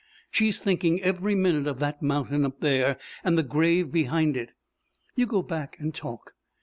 She's thinking every minute of that mountain up there and the grave behind it. You go back, and talk.